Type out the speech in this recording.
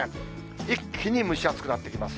一気に蒸し暑くなってきます。